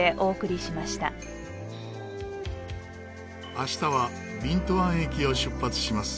明日はビントゥアン駅を出発します。